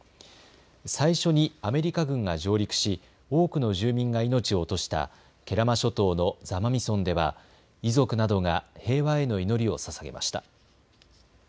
最初にアメリカ軍が上陸し多くの住民が命を落とした慶良間諸島の座間味村では遺族などが平和への祈りをささげました。